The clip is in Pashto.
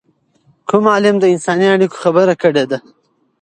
کوم عالم د انساني اړیکو خبره کړې ده؟